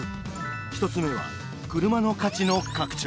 １つ目は「クルマの価値の拡張」。